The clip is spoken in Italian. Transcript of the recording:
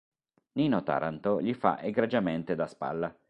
Nino Taranto gli fa egregiamente da spalla".